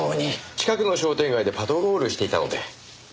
近くの商店街でパトロールしていたので。